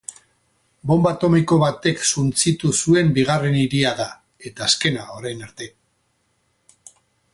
Bonba atomiko batek suntsitu zuen bigarren hiria da, eta azkena orain arte.